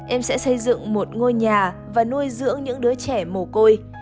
em sẽ xây dựng một ngôi nhà và nuôi dưỡng những đứa trẻ mồ côi